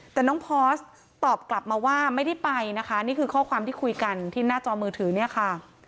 แต่น้องพอสตอบกลับมาว่าไม่ได้ไปนะคะนี่คือข้อความที่คุยกันที่หน้าจอมือถือเนี่ยค่ะ